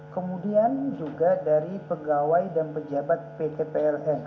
kemudian juga dari pegawai dan pejabat pt pltu riau satu